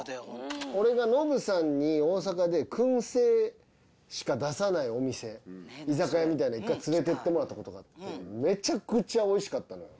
俺がノブさんに、大阪でくん製しか出さないお店、居酒屋みたいなのに１回連れていってもらったことあって、めちゃくちゃおいしかったの。